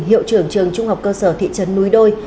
hiệu trưởng trường trung học cơ sở thị trấn núi đôi